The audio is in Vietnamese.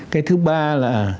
cái thứ ba là